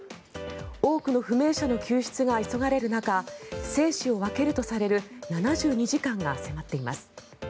多くの不明者の救出が急がれる中生死を分けるとされる７２時間が迫っています。